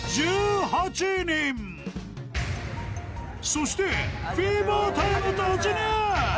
［そしてフィーバータイム突入！］